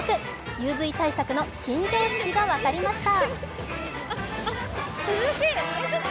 ＵＶ対策の新常識が分かりました。